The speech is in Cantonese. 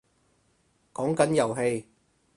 講緊遊戲